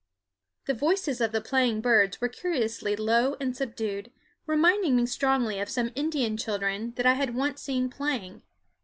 The voices of the playing birds were curiously low and subdued, reminding me strongly of some Indian children that I had once seen playing.